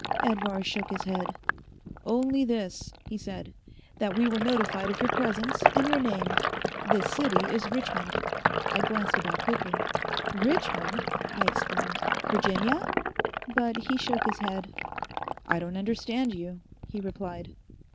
Edvar shook his head. "Only this," he said, "that we were notified of your presence and your name. This city is Richmond." I glanced about quickly. "Richmond!" I exclaimed. "Virginia?" But he shook his head. "I don't understand you," he replied.